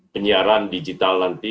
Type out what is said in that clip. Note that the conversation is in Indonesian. penyiaran digital nanti